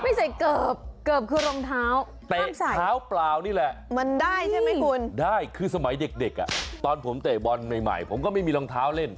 ไม่ใส่เกิบเกิบคือรองเท้าห้ามใส่มันได้ใช่ไหมคุณได้คือสมัยเด็กตอนผมเตะบอลใหม่ผมก็ไม่มีรองเท้าเล่น